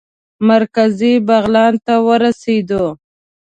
مرکزي بغلان ته ورسېدو.